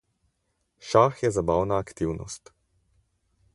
Šah je zabavna aktivnost.